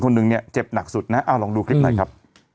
หนึ่งเนี่ยเจ็บหนักสุดนะเอาลองดูคลิปหน่อยครับ